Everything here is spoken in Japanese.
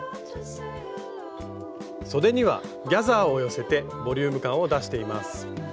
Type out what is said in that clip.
そでにはギャザーを寄せてボリューム感を出しています。